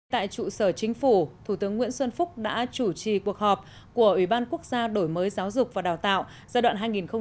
tại trụ sở chính phủ thủ tướng nguyễn xuân phúc đã chủ trì cuộc họp của ủy ban quốc gia đổi mới giáo dục và đào tạo giai đoạn hai nghìn một mươi sáu hai nghìn hai mươi